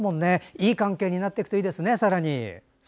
いい関係になっていくといいですね、さらに。